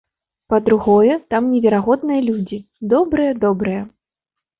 Па-другое, там неверагодныя людзі, добрыя-добрыя.